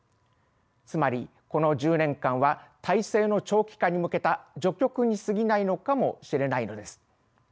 つまりこの１０年間は体制の長期化に向けた序曲にすぎないのかもしれないのです。